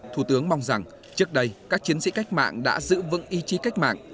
thủ tướng mong rằng trước đây các chiến sĩ cách mạng đã giữ vững ý chí cách mạng